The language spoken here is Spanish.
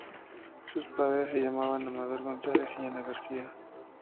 Sus padres se llamaban Amador González y Ana García.